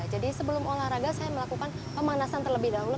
jadi sebelum olahraga saya melakukan pemanasan terlebih dahulu